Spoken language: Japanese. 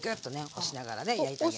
押しながらね焼いてあげます。